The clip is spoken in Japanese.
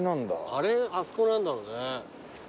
あれあそこ何だろうね。